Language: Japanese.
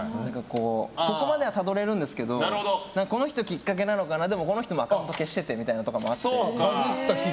ここまでは、たどれるんですけどこの人きっかけなのかなとかこの人はアカウント消しててとかあって。